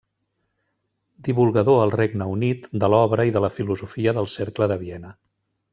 Divulgador al Regne Unit de l'obra i de la filosofia del Cercle de Viena.